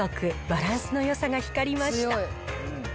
バランスのよさが光りました。